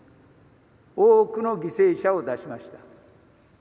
多くの犠牲者を出しました。